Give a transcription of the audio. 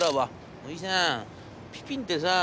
『おじさんピピンってさ